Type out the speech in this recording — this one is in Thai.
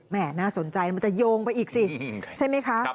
น่าสนใจมันจะโยงไปอีกสิใช่ไหมคะ